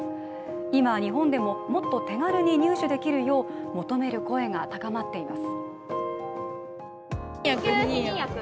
今、日本でももっと手軽に入手できるよう求める声が高まっています。